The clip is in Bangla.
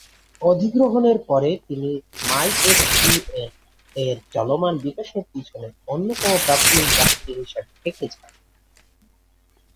অধিগ্রহণের পরে, তিনি মাইএসকিউএল এর চলমান বিকাশের পিছনে অন্যতম প্রাথমিক বাহিনী হিসাবে থেকে যান।